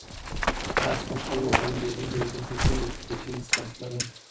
تاسي په خپل موبایل کي د ژبو د زده کړې کوم اپلیکیشن انسټال کړی؟